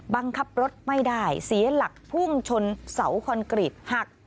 บังคับรถไม่ได้เสียหลักพุ่งชนเสาคอนกรีตหัก